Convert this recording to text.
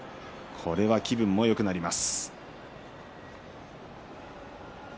これは気分がよくなります。